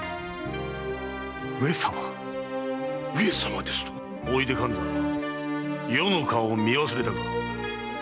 上様⁉上様ですと⁉大出勘左余の顔を見忘れたか。